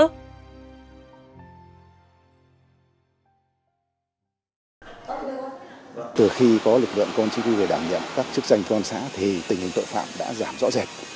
chính quyền đảm nhận các chức danh cho xã thì tình hình tội phạm đã giảm rõ rệt